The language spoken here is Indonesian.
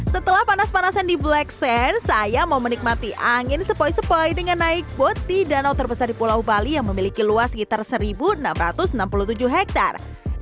setelah panas panasan di black sense saya mau menikmati angin sepoi sepoi dengan naik bot di danau terbesar di pulau bali yang memiliki luas sekitar satu enam ratus enam puluh tujuh hektare